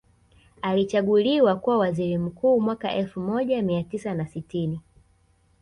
Alichaguliwa kuwa waziri mkuu mwaka elfu moja mia tisa na sitini